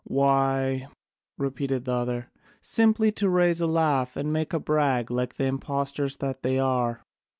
"Why," repeated the other, "simply to raise a laugh, and make a brag like the impostors that they are."